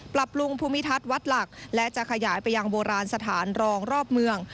ปรับปรุงภูมิทัศน์วัดหลักและจะขยายไปยังโบราณสถานรองรอบเมือง